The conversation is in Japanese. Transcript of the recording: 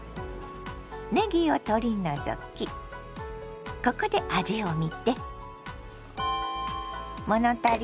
ねぎを取り除きここで味をみて。